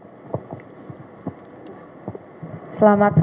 jangan lupa like share dan subscribe